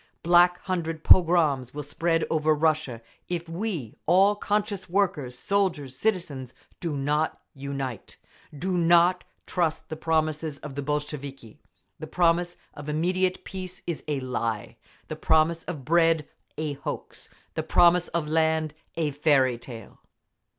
Black Hundred pogroms will spread over Russia, if we all—conscious workers, soldiers, citizens—do not unite…. Do not trust the promises of the Bolsheviki! The promise of immediate peace—is a lie! The promise of bread—a hoax! The promise of land—a fairy tale!